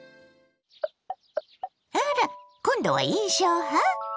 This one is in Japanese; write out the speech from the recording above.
あら！今度は印象派？